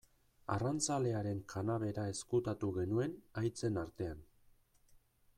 Arrantzalearen kanabera ezkutatu genuen haitzen artean.